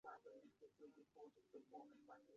其子杨玄感后来反叛隋朝。